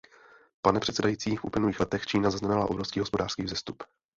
Pane předsedající, v uplynulých letech Čína zaznamenala obrovský hospodářský vzestup.